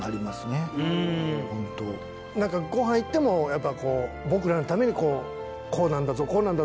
なんかご飯行ってもやっぱこう僕らのためにこう「こうなんだぞこうなんだぞ」